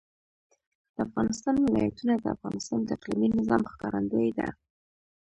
د افغانستان ولايتونه د افغانستان د اقلیمي نظام ښکارندوی ده.